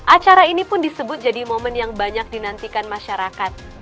acara ini pun disebut jadi momen yang banyak dinantikan masyarakat